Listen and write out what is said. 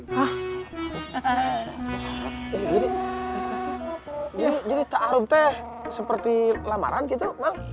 jadi ta'arub itu seperti lamaran gitu